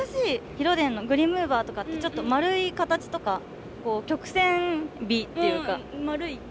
広電のグリーンムーバーとかってちょっと丸い形とか曲線美っていうか丸い感じなんですけど。